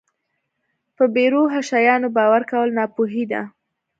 په بې روحه شیانو باور کول ناپوهي ده.